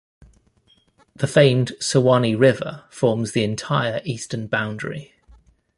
The famed Suwannee River forms the entire eastern boundary.